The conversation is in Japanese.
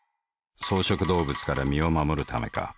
草食動物から身を護るためか。